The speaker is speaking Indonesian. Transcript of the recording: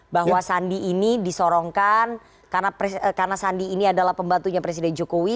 bahwa sandi ini disorongkan karena sandi ini adalah pembantunya presiden jokowi